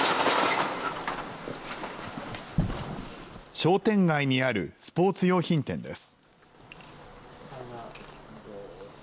商店街にあるスポーツ用品店です。